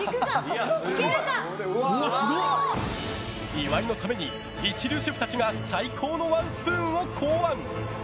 岩井のために一流シェフたちが最高のワンスプーンを考案。